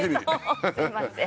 すみません。